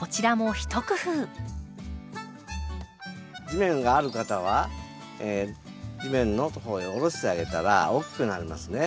地面がある方は地面のところへおろしてあげたら大きくなりますね。